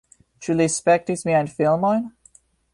Ĉu li spektis miajn filmojn?